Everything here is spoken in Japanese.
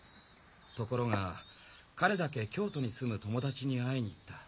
ところが彼だけ京都に住む友達に会いに行った。